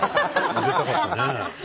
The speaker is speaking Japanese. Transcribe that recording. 食べたかったね。